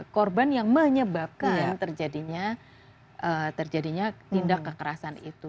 korban yang menyebabkan terjadinya terjadinya tindak kekerasan itu